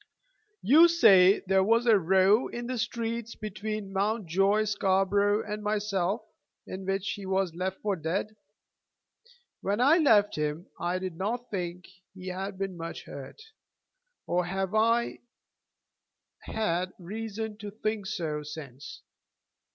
"You say that there was a row in the streets between Mountjoy Scarborough and myself in which he was 'left for dead.' When I left him I did not think he had been much hurt, nor have I had reason to think so since.